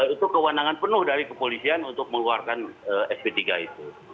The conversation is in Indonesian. itu kewenangan penuh dari kepolisian untuk mengeluarkan sp tiga itu